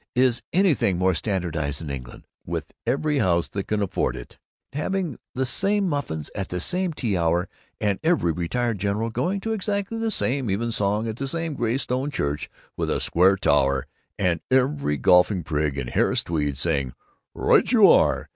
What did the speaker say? Is anything more standardized than England, with every house that can afford it having the same muffins at the same tea hour, and every retired general going to exactly the same evensong at the same gray stone church with a square tower, and every golfing prig in Harris tweeds saying 'Right you are!